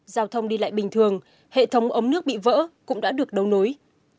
giao thông đi lại bình thường hệ thống ống nước bị vỡ cũng đã được đấu nối